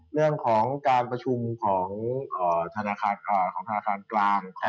เรื่องของการประชุมของธนาคารกลาง